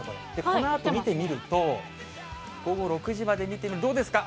このあと見てみると、午後６時まで見てみると、どうですか？